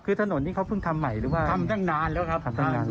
คือถนนนี่เขาเพิ่งทำใหม่หรือว่าทำตั้งนานแล้วครับทำตั้งนานแล้ว